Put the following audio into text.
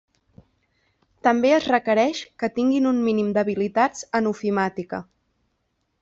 També es requereix que tinguin un mínim d'habilitats en ofimàtica.